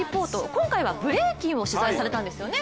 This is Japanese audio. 今回はブレイキンを取材されたんですよね。